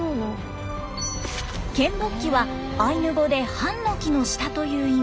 ケンボッキはアイヌ語で「ハンノキの下」という意味。